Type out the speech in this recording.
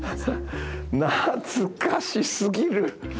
懐かしすぎる！